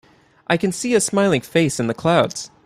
I can see a smiling face in the clouds.